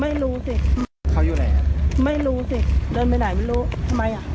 ไม่รู้สิเขาอยู่ไหนอ่ะไม่รู้สิเดินไปไหนไม่รู้ทำไมอ่ะ